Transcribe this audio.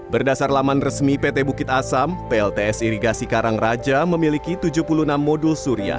berdasar laman resmi pt bukit asam plts irigasi karangraja memiliki tujuh puluh enam modul surya